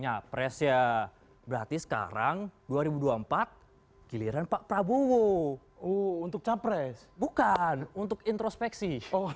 nyapres ya berarti sekarang dua ribu dua puluh empat giliran pak prabowo untuk capres bukan untuk introspeksi